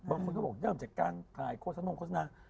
บางคนก็บอกเริ่มจากการถ่ายโฆษณงโฆษณา